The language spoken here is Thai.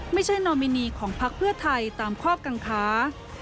นอมินีของพักเพื่อไทยตามข้อกังคา